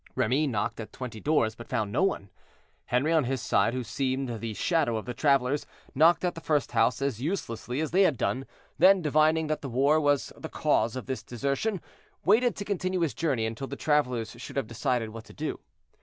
Remy knocked at twenty doors, but found no one. Henri on his side, who seemed the shadow of the travelers, knocked at the first house as uselessly as they had done, then, divining that the war was the cause of this desertion, waited to continue his journey until the travelers should have decided what to do.